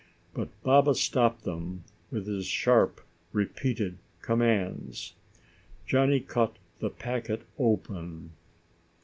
But Baba stopped them with his sharp, repeated commands. Johnny cut the packet open.